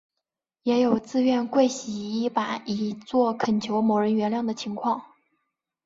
也有自愿跪洗衣板以作恳求某人原谅的情况。